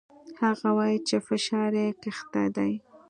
هغه وايي چې فشار يې کښته ديه.